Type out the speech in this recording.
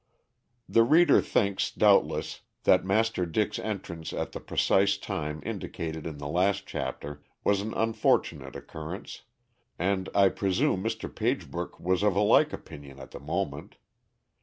_ The reader thinks, doubtless, that Master Dick's entrance at the precise time indicated in the last chapter was an unfortunate occurrence, and I presume Mr. Pagebrook was of a like opinion at the moment.